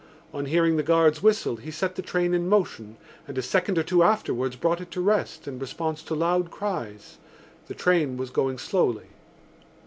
On hearing the guard's whistle he set the train in motion and a second or two afterwards brought it to rest in response to loud cries. The train was going slowly.